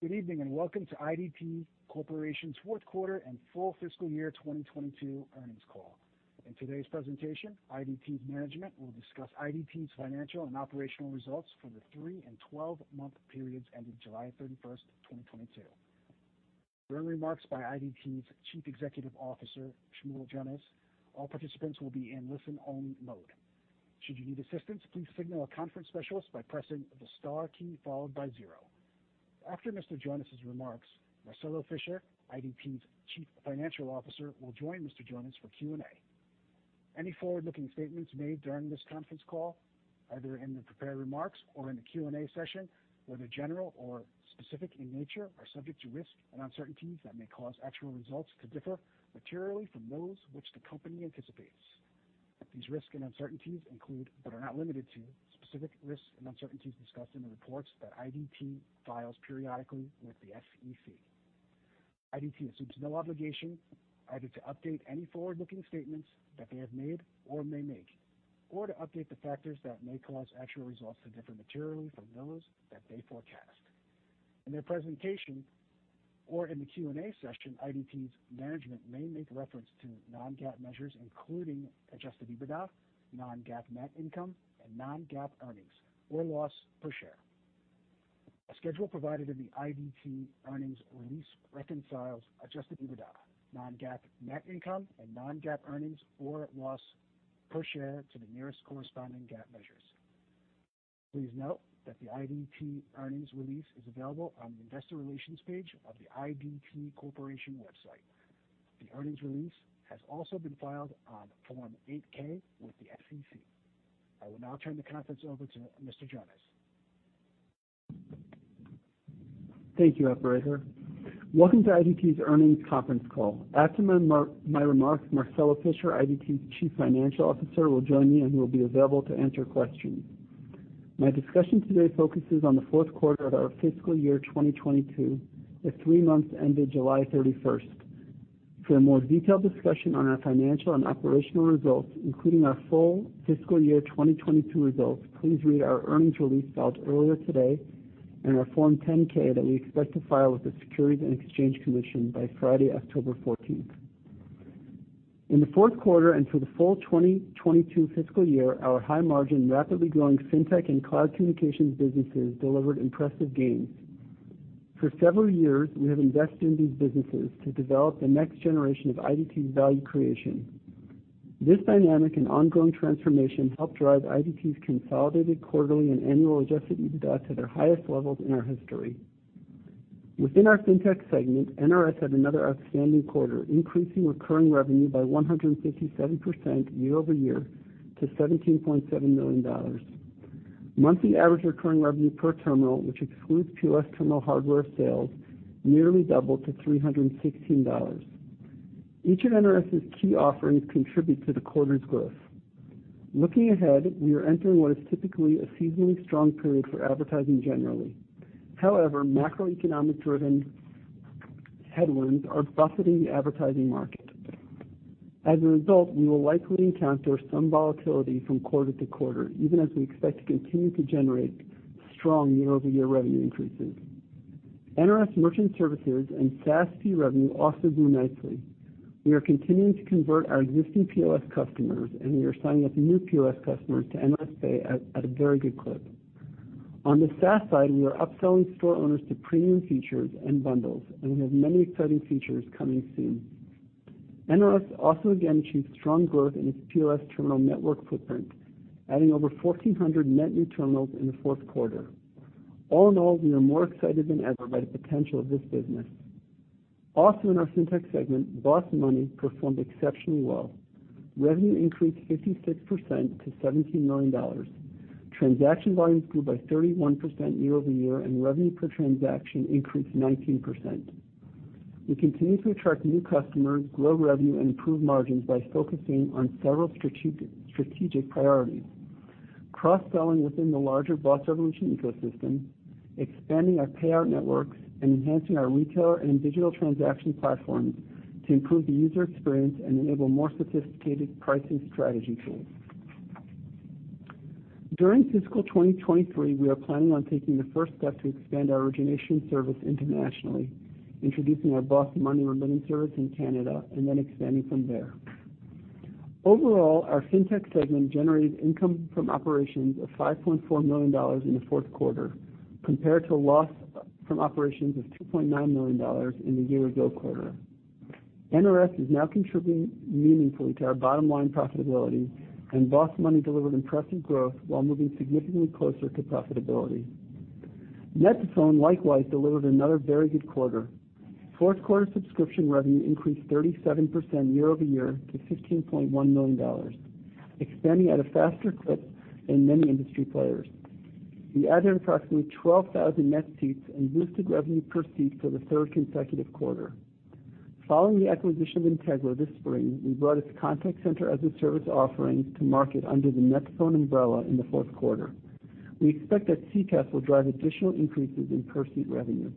Good evening, and welcome to IDT Corporation's Q4 and Full Fiscal Year 2022 Earnings Call. In today's presentation, IDT's management will discuss IDT's financial and operational results for the three and 12-month periods ending July 31st, 2022. During remarks by IDT's Chief Executive Officer, Shmuel Jonas, all participants will be in listen-only mode. Should you need assistance, please signal a conference specialist by pressing the star key followed by zero. After Mr. Jonas' remarks, Marcelo Fischer, IDT's Chief Financial Officer, will join Mr. Jonas for Q&A. Any forward-looking statements made during this conference call, either in the prepared remarks or in the Q&A session, whether general or specific in nature, are subject to risks and uncertainties that may cause actual results to differ materially from those which the company anticipates. These risks and uncertainties include, but are not limited to specific risks and uncertainties discussed in the reports that IDT files periodically with the SEC. IDT assumes no obligation either to update any forward-looking statements that they have made or may make, or to update the factors that may cause actual results to differ materially from those that they forecast. In their presentation or in the Q&A session, IDT's management may make reference to non-GAAP measures, including Adjusted EBITDA, non-GAAP net income, and non-GAAP earnings or loss per share. A schedule provided in the IDT earnings release reconciles adjusted EBITDA, non-GAAP net income, and non-GAAP earnings or loss per share to the nearest corresponding GAAP measures. Please note that the IDT earnings release is available on the investor relations page of the IDT Corporation website. The earnings release has also been filed on Form 8-K with the SEC. I will now turn the conference over to Mr. Jonas. Thank you, operator. Welcome to IDT's earnings conference call. After my remarks, Marcelo Fischer, IDT's Chief Financial Officer, will join me and he will be available to answer questions. My discussion today focuses on the Q4 of our fiscal year 2022, the three months ended July 31st. For a more detailed discussion on our financial and operational results, including our full fiscal year 2022 results, please read our earnings release filed earlier today and our Form 10-K that we expect to file with the Securities and Exchange Commission by Friday, October 14th. In the Q4 and for the full 2022 fiscal year, our high-margin, rapidly growing Fintech and cloud communications businesses delivered impressive gains. For several years, we have invested in these businesses to develop the next generation of IDT's value creation. This dynamic and ongoing transformation helped drive IDT's consolidated quarterly and annual Adjusted EBITDA to their highest levels in our history. Within our Fintech segment, NRS had another outstanding quarter, increasing recurring revenue by 157% year-over-year to $17.7 million. Monthly average recurring revenue per terminal, which excludes POS terminal hardware sales, nearly doubled to $316. Each of NRS's key offerings contribute to the quarter's growth. Looking ahead, we are entering what is typically a seasonally strong period for advertising generally. However, macroeconomic-driven headwinds are buffeting the advertising market. As a result, we will likely encounter some volatility from quarter-to-quarter, even as we expect to continue to generate strong year-over-year revenue increases. NRS Merchant Services and SaaS fee revenue also grew nicely. We are continuing to convert our existing POS customers, and we are signing up new POS customers to NRS Pay at a very good clip. On the SaaS side, we are upselling store owners to premium features and bundles, and we have many exciting features coming soon. NRS also again achieved strong growth in its POS terminal network footprint, adding over 1,400 net new terminals in the Q4. All in all, we are more excited than ever by the potential of this business. Also in our Fintech segment, BOSS Money performed exceptionally well. Revenue increased 56% to $17 million. Transaction volumes grew by 31% year-over-year, and revenue per transaction increased 19%. We continue to attract new customers, grow revenue, and improve margins by focusing on several strategic priorities, cross-selling within the larger BOSS Revolution ecosystem, expanding our pay-out networks, and enhancing our retailer and digital transaction platforms to improve the user experience and enable more sophisticated pricing strategy tools. During fiscal 2023, we are planning on taking the first step to expand our origination service internationally, introducing our BOSS Money remittance service in Canada, and then expanding from there. Overall, our Fintech segment generated income from operations of $5.4 million in the Q4 compared to loss from operations of $2.9 million in the year-ago quarter. NRS is now contributing meaningfully to our bottom line profitability, and BOSS Money delivered impressive growth while moving significantly closer to profitability. net2phone likewise delivered another very good quarter. Q4 subscription revenue increased 37% year-over-year to $15.1 million, expanding at a faster clip than many industry players. We added approximately 12,000 net seats and boosted revenue per seat for the third consecutive quarter. Following the acquisition of Integra CCS this spring, we brought its contact center as a service offering to market under the net2phone umbrella in the Q4. We expect that CCaaS will drive additional increases in per-seat revenue.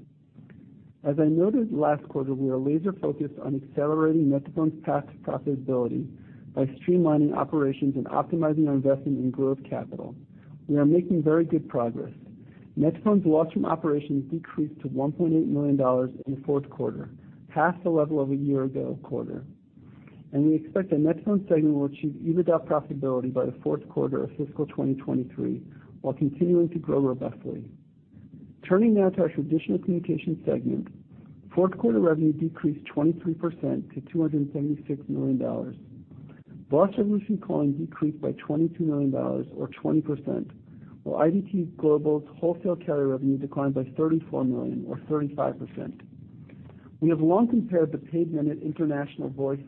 As I noted last quarter, we are laser focused on accelerating net2phone's path to profitability by streamlining operations and optimizing our investment in growth capital. We are making very good progress. net2phone's loss from operations decreased to $1.8 million in the Q4, half the level of a year ago quarter. We expect the net2phone segment will achieve EBITDA profitability by the Q4 of fiscal 2023, while continuing to grow robustly. Turning now to our Traditional Communications segment, Q4 revenue decreased 23% to $276 million. BOSS Revolution Calling decreased by $22 million or 20%, while IDT Global's wholesale carrier revenue declined by $34 million or 35%. We have long compared the paid minute international voice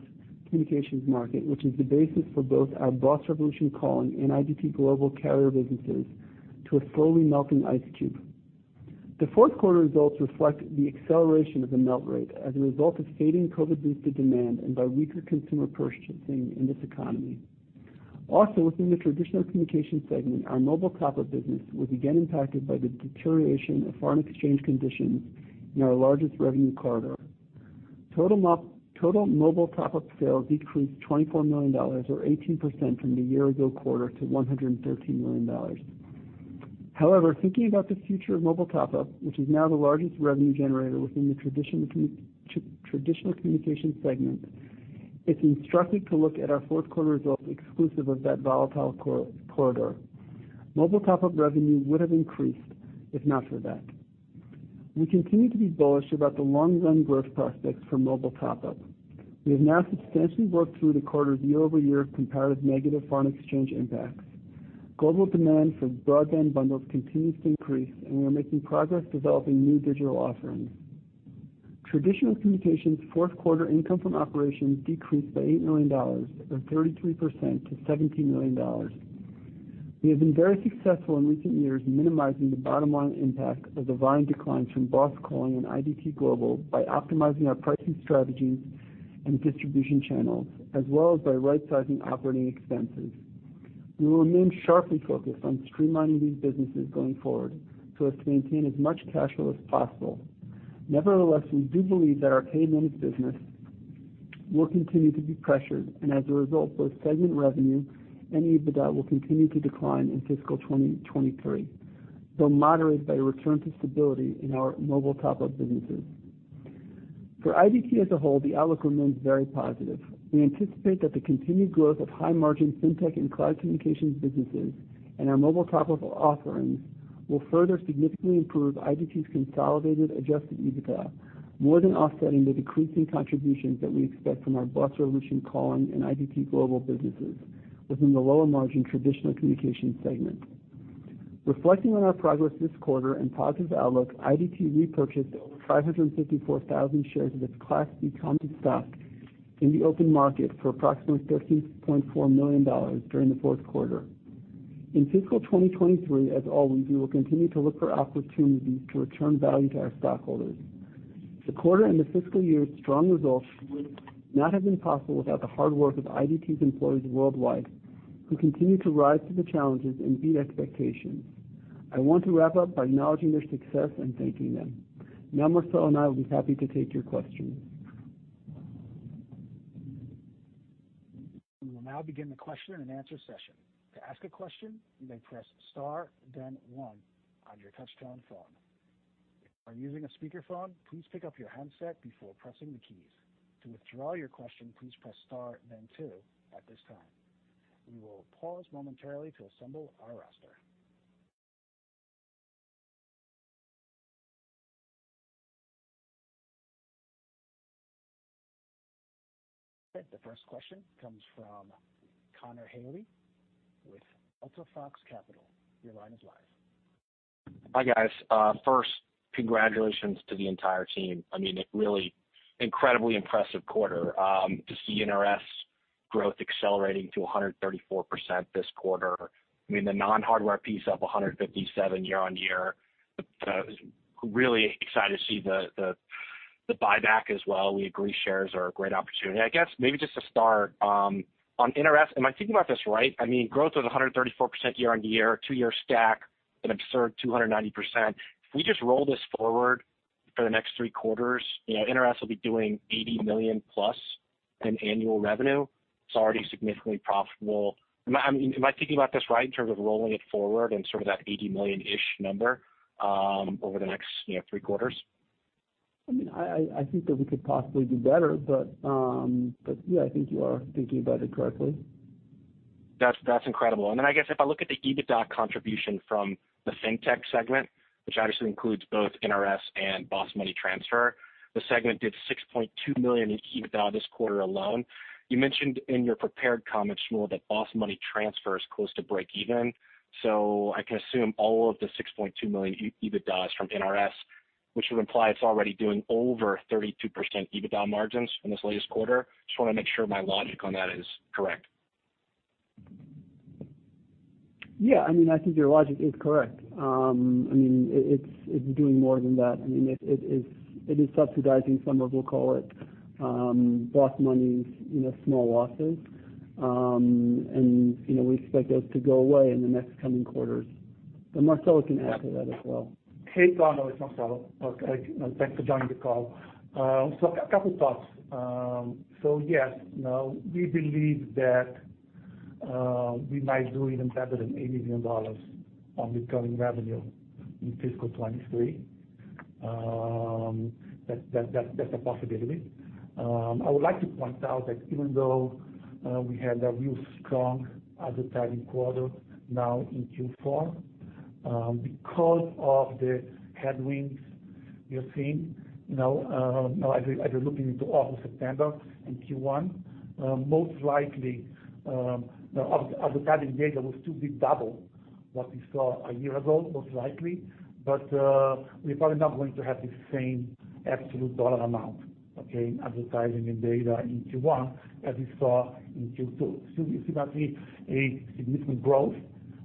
communications market, which is the basis for both our BOSS Revolution Calling and IDT Global carrier businesses, to a slowly melting ice cube. The Q4 results reflect the acceleration of the melt rate as a result of fading COVID-boosted demand and by weaker consumer purchasing in this economy. Also, within the Traditional Communications segment, our mobile top-up business was again impacted by the deterioration of foreign exchange conditions in our largest revenue corridor. Total mobile top-up sales decreased $24 million or 18% from the year-ago quarter to $113 million. However, thinking about the future of mobile top-up, which is now the largest revenue generator within the Traditional Communications segment, it's instructive to look at our Q4 results exclusive of that volatile corridor. Mobile top-up revenue would have increased if not for that. We continue to be bullish about the long-run growth prospects for mobile top-up. We have now substantially worked through the quarter's year-over-year comparative negative foreign exchange impacts. Global demand for broadband bundles continues to increase, and we are making progress developing new digital offerings. Traditional Communications Q4 income from operations decreased by $8 million or 33% to $17 million. We have been very successful in recent years in minimizing the bottom-line impact of the volume declines from BOSS Calling and IDT Global by optimizing our pricing strategies and distribution channels, as well as by right-sizing operating expenses. We will remain sharply focused on streamlining these businesses going forward so as to maintain as much cash flow as possible. Nevertheless, we do believe that our [paid managed business] will continue to be pressured, and as a result, both segment revenue and EBITDA will continue to decline in fiscal 2023, though moderated by a return to stability in our mobile top-up businesses. For IDT as a whole, the outlook remains very positive. We anticipate that the continued growth of high-margin Fintech and Cloud Communications businesses and our mobile top-up offerings will further significantly improve IDT's consolidated adjusted EBITDA, more than offsetting the decreasing contributions that we expect from our BOSS Revolution Calling and IDT Global businesses within the lower-margin Traditional Communications segment. Reflecting on our progress this quarter and positive outlook, IDT repurchased over 554,000 shares of its Class B common stock in the open market for approximately $13.4 million during the Q4. In fiscal 2023, as always, we will continue to look for opportunities to return value to our stockholders. The quarter and the fiscal year's strong results would not have been possible without the hard work of IDT's employees worldwide, who continue to rise to the challenges and beat expectations. I want to wrap up by acknowledging their success and thanking them. Now, Marcelo and I will be happy to take your questions. We will now begin the question and answer session. To ask a question, you may press star then one on your touchtone phone. If you are using a speakerphone, please pick up your handset before pressing the keys. To withdraw your question, please press star then two at this time. We will pause momentarily to assemble our roster. Okay. The first question comes from Connor Haley with Alta Fox Capital. Your line is live. Hi, guys. First, congratulations to the entire team. I mean, a really incredibly impressive quarter, to see NRS growth accelerating to 134% this quarter. I mean, the non-hardware piece up 157% year-on-year. Really excited to see the buyback as well. We agree shares are a great opportunity. I guess maybe just to start, on NRS, am I thinking about this right? I mean, growth was 134% year-on-year, two years stack, an absurd 290%. If we just roll this forward for the next three quarters, you know, NRS will be doing $80 million+ in annual revenue. It's already significantly profitable. I mean, am I thinking about this right in terms of rolling it forward and sort of that $80 million-ish number over the next, you know, three quarters? I mean, I think that we could possibly do better, but yeah, I think you are thinking about it correctly. That's incredible. I guess if I look at the EBITDA contribution from the Fintech segment, which obviously includes both NRS and BOSS Money Transfer, the segment did $6.2 million in EBITDA this quarter alone. You mentioned in your prepared comments, Shmuel, that BOSS Money Transfer is close to breakeven. I can assume all of the $6.2 million EBITDA is from NRS, which would imply it's already doing over 32% EBITDA margins in this latest quarter. Just wanna make sure my logic on that is correct. Yeah. I mean, I think your logic is correct. I mean, it's doing more than that. I mean, it is subsidizing some of, we'll call it, BOSS Money's, you know, small losses. You know, we expect those to go away in the next coming quarters. Marcelo can answer that as well. Hey, Connor, it's Marcelo. Okay, thanks for joining the call. A couple thoughts. Yes, you know, we believe that we might do even better than $80 million on recurring revenue in fiscal 2023. That's a possibility. I would like to point out that even though we had a real strong advertising quarter now in Q4, because of the headwinds we are seeing, you know, as we're looking into August, September in Q1, most likely, the advertising data will still be double what we saw a year ago, most likely. We're probably not going to have the same absolute dollar amount, okay, in advertising and data in Q1 as we saw in Q2. You're gonna see a significant growth.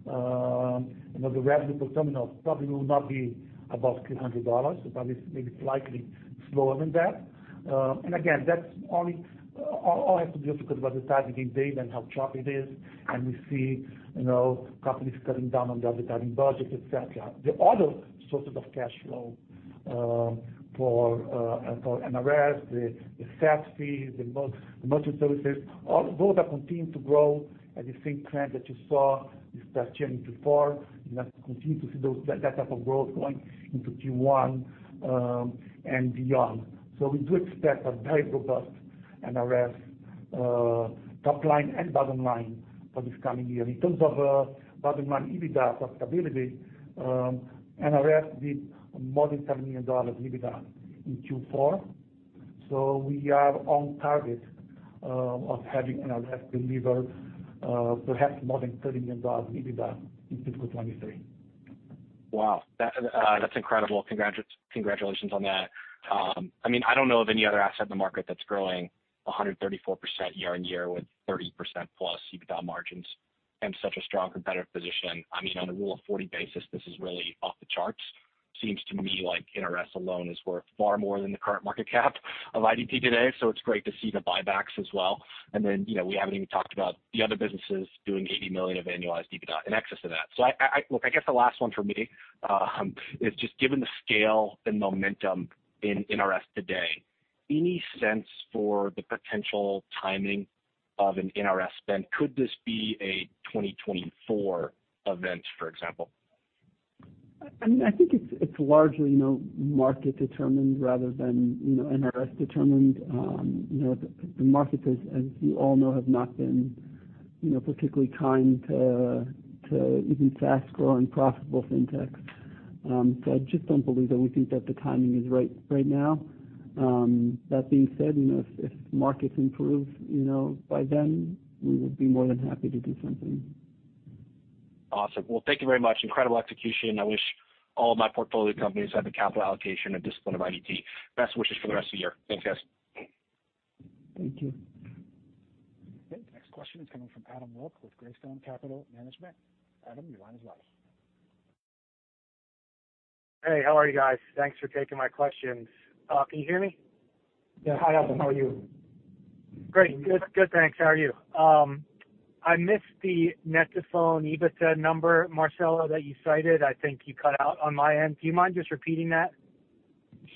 You know, the revenue per terminal probably will not be above $200. It probably is maybe slightly slower than that. And again, that's all has to do with because of advertising data and how choppy it is, and we see, you know, companies cutting down on their advertising budget, et cetera. The other sources of cash flow for NRS, the SaaS fees, the merchant services, all those are continuing to grow at the same trend that you saw this past Q4. You have to continue to see that type of growth going into Q1 and beyond. We do expect a very robust NRS top line and bottom line for this coming year. In terms of bottom line EBITDA profitability, NRS did more than $7 million EBITDA in Q4. We are on target of having NRS deliver perhaps more than $30 million EBITDA in fiscal 2023. Wow. That, that's incredible. Congratulations on that. I mean, I don't know of any other asset in the market that's growing 134% year-over-year with 30%+ EBITDA margins and such a strong competitive position. I mean, on a Rule of 40 basis, this is really off the charts. Seems to me like NRS alone is worth far more than the current market cap of IDT today, so it's great to see the buybacks as well. Then, you know, we haven't even talked about the other businesses doing $80 million of annualized EBITDA in excess of that. So I Look, I guess the last one for me is just given the scale and momentum in NRS today, any sense for the potential timing of an NRS spin? Could this be a 2024 event, for example? I mean, I think it's largely, you know, market determined rather than, you know, NRS determined. You know, the market, as you all know, has not been, you know, particularly kind to even fast-growing profitable fintechs. So I just don't believe that we think that the timing is right right now. That being said, you know, if markets improve, you know, by then, we would be more than happy to do something. Awesome. Well, thank you very much. Incredible execution. I wish all of my portfolio companies had the capital allocation and discipline of IDT. Best wishes for the rest of the year. Thanks, guys. Thank you. Okay. The next question is coming from Adam Wilk with Greystone Capital Management. Adam, your line is live. Hey, how are you guys? Thanks for taking my questions. Can you hear me? Yeah. Hi, Adam. How are you? Great. Good. Good, thanks. How are you? I missed the net2phone EBITDA number, Marcelo, that you cited. I think you cut out on my end. Do you mind just repeating that?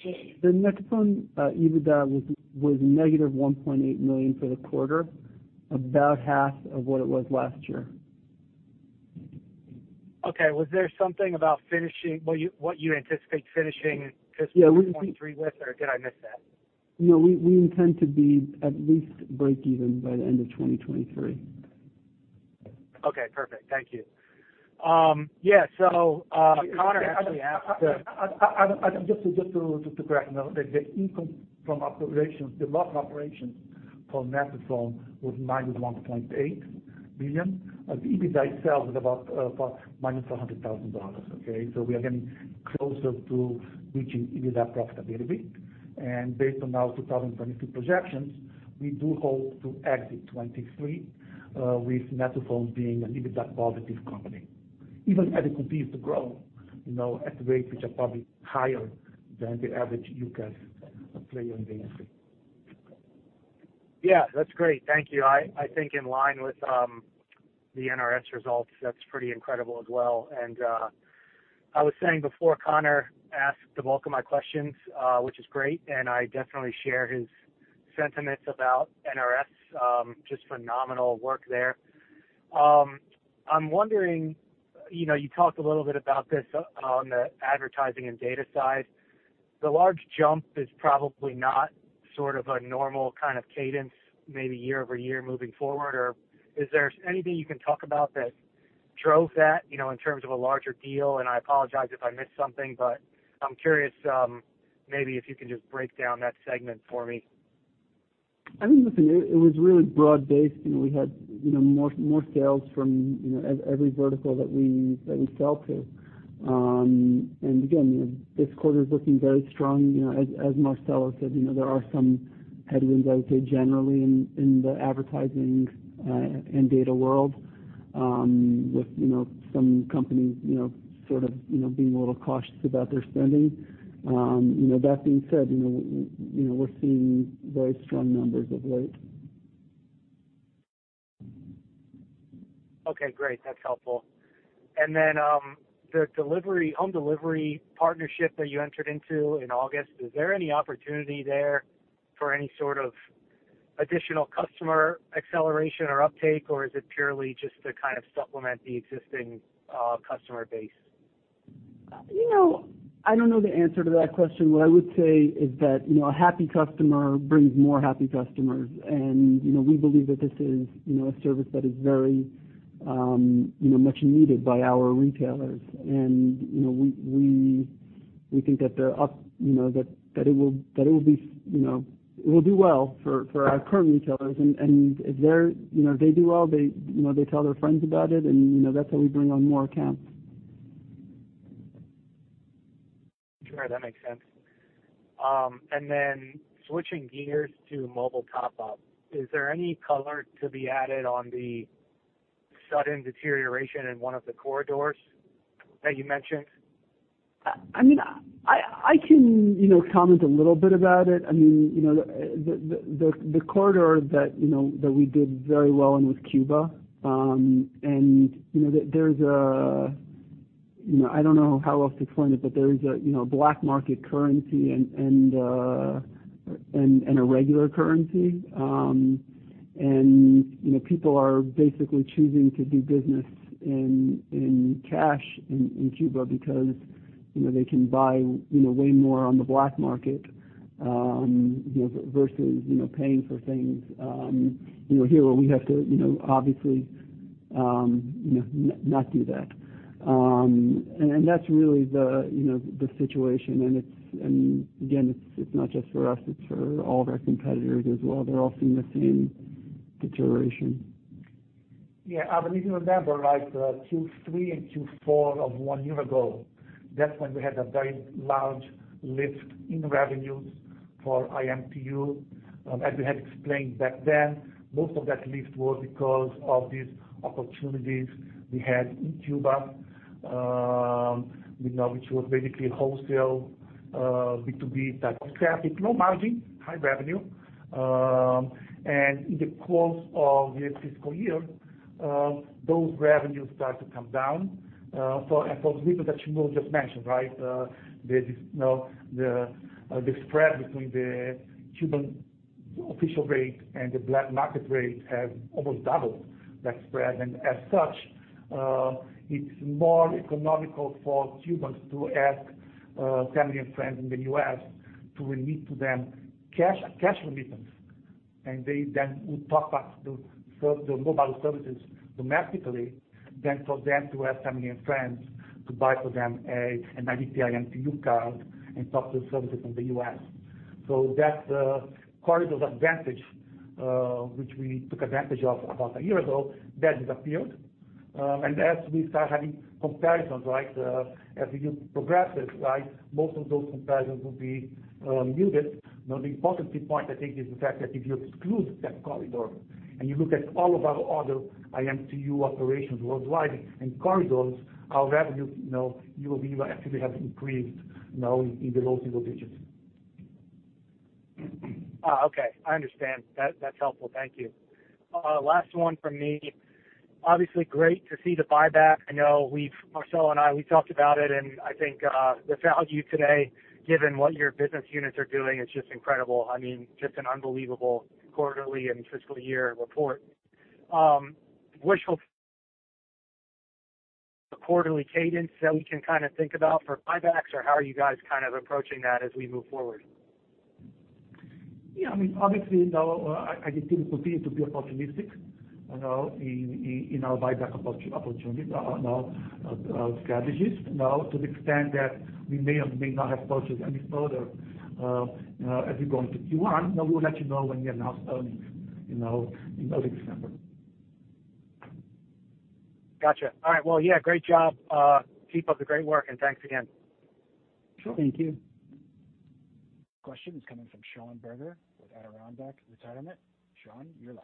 Sure. The net2phone EBITDA was -$1.8 million for the quarter, about half of what it was last year. Okay. Was there something about finishing what you anticipate finishing in fiscal 2023 with- Did I miss that? No. We intend to be at least breakeven by the end of 2023. Okay. Perfect. Thank you. Just to correct. The income from operations, the loss from operations for net2phone was -$1.8 million. The EBITDA itself was about -$100,000, okay? We are getting closer to reaching EBITDA profitability. Based on our 2022 projections, we do hope to exit 2023 with net2phone being an EBITDA positive company, even as it continues to grow, you know, at a rate which are probably higher than the average UCaaS player in the industry. Yeah. That's great. Thank you. I think in line with the NRS results, that's pretty incredible as well. I was saying before Connor asked the bulk of my questions, which is great, and I definitely share his sentiments about NRS, just phenomenal work there. I'm wondering, you know, you talked a little bit about this on the advertising and data side. The large jump is probably not sort of a normal kind of cadence, maybe year-over-year moving forward or is there anything you can talk about that drove that, you know, in terms of a larger deal? I apologize if I missed something, but I'm curious, maybe if you can just break down that segment for me. I mean, listen, it was really broad-based. You know, we had more sales from every vertical that we sell to. Again, you know, this quarter's looking very strong. You know, as Marcelo said, you know, there are some headwinds out there generally in the advertising and data world, with some companies sort of being a little cautious about their spending. You know, that being said, you know, we're seeing very strong numbers of late. Okay, great. That's helpful. The home delivery partnership that you entered into in August, is there any opportunity there for any sort of additional customer acceleration or uptake, or is it purely just to kind of supplement the existing customer base? You know, I don't know the answer to that question. What I would say is that, you know, a happy customer brings more happy customers. You know, we believe that this is, you know, a service that is very, you know, much needed by our retailers. You know, we think that it will be, you know, it will do well for our current retailers. If they do well, they tell their friends about it and, you know, that's how we bring on more accounts. Sure, that makes sense. Switching gears to mobile top up, is there any color to be added on the sudden deterioration in one of the corridors that you mentioned? I mean, I can, you know, comment a little bit about it. I mean, you know, the corridor that, you know, that we did very well in with Cuba, and you know, there's a, you know, I don't know how else to explain it, but there is a, you know, black market currency and a regular currency. You know, people are basically choosing to do business in cash in Cuba because they can buy way more on the black market versus paying for things. Here where we have to, you know, obviously not do that. That's really the, you know, situation. It's not just for us, it's for all of our competitors as well. They're all seeing the same deterioration. Yeah. I mean, if you remember, like, Q3 and Q4 of one year ago, that's when we had a very large lift in revenues for IMTU. As we had explained back then, most of that lift was because of these opportunities we had in Cuba, you know, which was basically wholesale, B2B type of traffic, low margin, high revenue. In the course of this fiscal year, those revenues start to come down, and for the reasons that Shmuel just mentioned, right? You know, the spread between the Cuban official rate and the black market rate has almost doubled that spread. As such, it's more economical for Cubans to ask family and friends in the U.S. to remit to them cash remittances. They then would top up the mobile services domestically rather than for them to ask family and friends to buy for them an IDT IMTU card and top up the services in the U.S. That corridor's advantage, which we took advantage of about a year ago, that disappeared. As we start having comparisons, right, as the year progresses, right, most of those comparisons will be muted. You know, the positive point I think is the fact that if you exclude that corridor and you look at all of our other IMTU operations worldwide and corridors, our revenue, you know, [YoY] actually have increased, you know, in the low single digits. Okay. I understand. That's helpful. Thank you. Last one from me. Obviously, great to see the buyback. I know Marcelo and I, we've talked about it, and I think the value today, given what your business units are doing, is just incredible. I mean, just an unbelievable quarterly and fiscal year report. The quarterly cadence that we can kinda think about for buybacks or how are you guys kind of approaching that as we move forward? Yeah, I mean, obviously, you know, I just think we continue to be opportunistic, you know, in our buyback opportunities, you know, strategies. You know, to the extent that we may or may not have purchased any further, you know, as we go into Q1, you know, we'll let you know when we announce earnings, you know, in early December. Gotcha. All right. Well, yeah, great job. Keep up the great work and thanks again. Sure. Thank you. Question is coming from Sean Berger with Adirondack Retirement. Sean, you're live.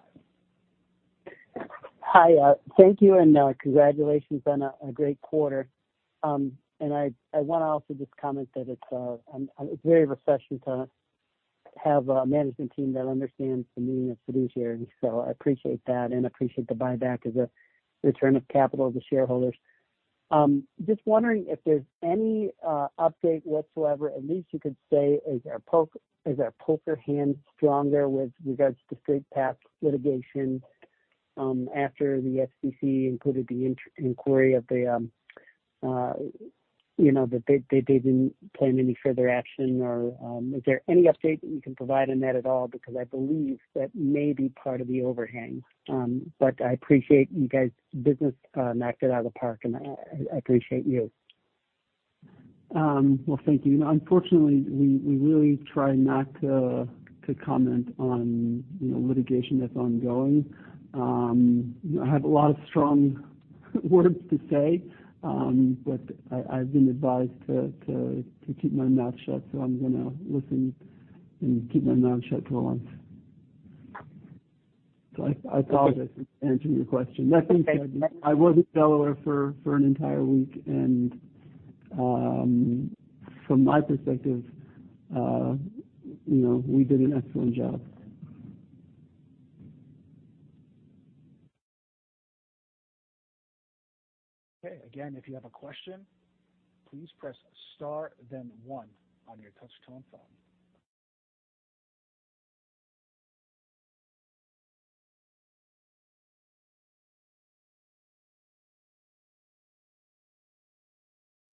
Hi, thank you and congratulations on a great quarter. I wanna also just comment that it's very refreshing to have a management team that understands the meaning of fiduciary, so I appreciate that and appreciate the buyback as a return of capital to shareholders. Just wondering if there's any update whatsoever, at least you could say, is our poker hand stronger with regards to Straight Path litigation, after the FCC included the inquiry of the, you know, that, they didn't plan any further action or, is there any update that you can provide on that at all? Because I believe that may be part of the overhang. I appreciate you guys' business knocked it out of the park, and I appreciate you. Well, thank you. Unfortunately, we really try not to comment on, you know, litigation that's ongoing. I have a lot of strong words to say, but I've been advised to keep my mouth shut, so I'm gonna listen and keep my mouth shut for once. I apologize if I didn't answer your question. Okay. I think I did. I was in Delaware for an entire week, and from my perspective we did an excellent job. Okay. Again, if you have a question, please press star then one on your touchtone phone.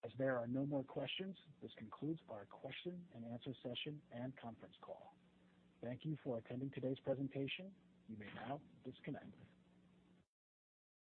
As there are no more questions, this concludes our question and answer session and conference call. Thank you for attending today's presentation. You may now disconnect.